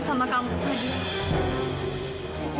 ya allah taufan